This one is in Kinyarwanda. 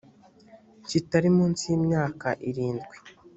kitari munsi y imyaka irindwi